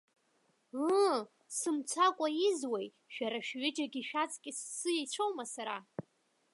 Ыы, сымцакәа изуеи, шәара шәҩыџьагьы шәаҵкьыс сеицәоума сара.